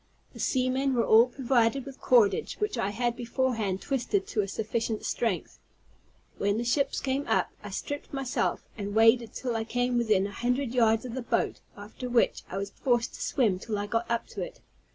The seamen were all provided with cordage, which I had beforehand twisted to a sufficient strength. When the ships came up, I stripped myself, and waded till I came within an hundred yards of the boat, after which I was forced to swim till I got up to it.